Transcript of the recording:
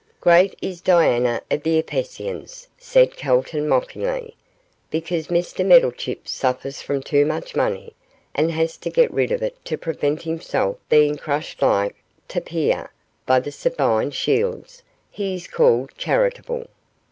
'Great is Diana of the Ephesians,' said Calton, mockingly. 'Because Mr Meddlechip suffers from too much money, and has to get rid of it to prevent himself being crushed like Tarpeia by the Sabine shields, he is called charitable.